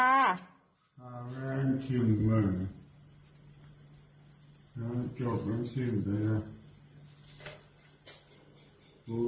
แล้วมันจบแล้วสิ่งแบบ